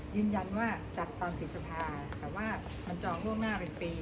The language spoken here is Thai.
ยืนยันว่าจัดตอนปิดสภาแต่ว่ามันจองล่วงหน้าเป็นปี